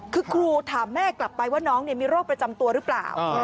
คือครูถามแม่กลับไปว่าน้องมีโรคประจำตัวหรือเปล่า